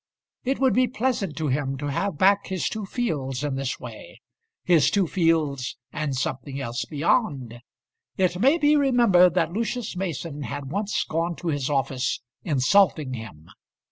It would be pleasant to him to have back his two fields in this way; his two fields, and something else beyond! It may be remembered that Lucius Mason had once gone to his office insulting him.